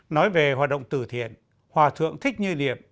nói về hoạt động tử thiện hòa thượng thích như điệp